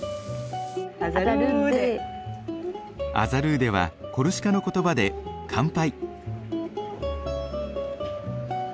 アザルーデはコルシカの言葉で乾杯。